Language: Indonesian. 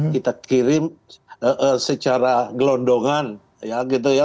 kita kirim secara gelondongan ya gitu ya